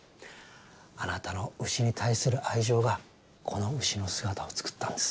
あなたのうしに対する愛情がこのうしの姿を作ったんです。